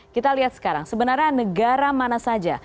kita lihat sekarang sebenarnya negara mana saja